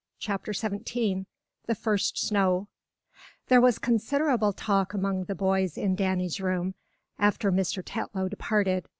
CHAPTER XVII THE FIRST SNOW THERE was considerable talk among the boys in Danny's room after Mr. Tetlow departed.